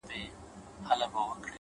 خپه په دې يم چي زه مرمه او پاتيږي ژوند؛